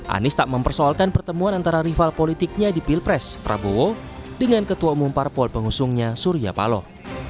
anies tak mempersoalkan pertemuan antara rival politiknya di pilpres prabowo dengan ketua umum parpol pengusungnya surya paloh